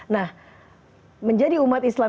nah menjadi umat islam